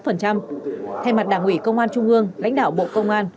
thay mặt đảng ủy công an trung ương lãnh đạo bộ công an